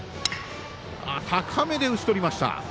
高めで打ち取りました。